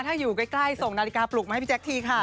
ถ้าอยู่ใกล้ส่งนาฬิกาปลุกมาให้พี่แจ๊คทีค่ะ